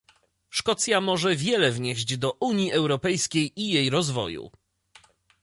Szkocja może wiele wnieść do Unii Europejskiej i jej rozwoju